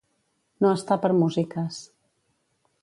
No estar per músiques.